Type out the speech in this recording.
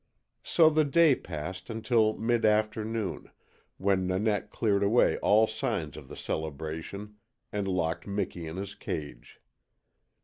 So the day passed until mid afternoon, when Nanette cleared away all signs of the celebration and locked Miki in his cage.